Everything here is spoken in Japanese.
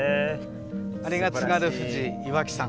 あれが津軽富士岩木山。